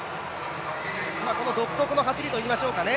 独特の走りといいましょうかね。